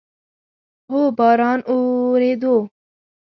هو، باران اوورېدو